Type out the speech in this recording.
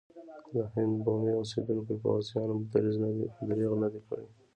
د هند بومي اوسېدونکو پوځیانو درېغ نه دی کړی.